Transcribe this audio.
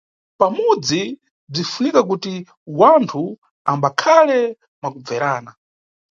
Pamudzi, bzinʼfunika kuti wanthu ambakhale mwakubverana.